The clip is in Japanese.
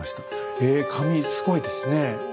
え髪すごいですね。